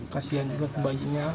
kasian juga kebayinya